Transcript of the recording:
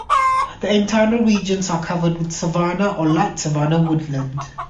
The internal regions are covered with Savannah or light Savannah woodland.